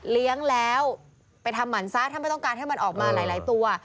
เลี้ยงแล้วไปทำหมันซะถ้าไม่ต้องการให้มันออกมาหลายตัว